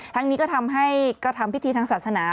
ทั้งนี้ก็ทำให้ก็ทำพิธีทางศาสนา